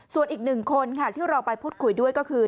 ส่วนอีกหนึ่งคนค่ะที่เราไปพูดคุยด้วยก็คือ